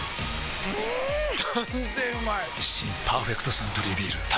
新「パーフェクトサントリービール」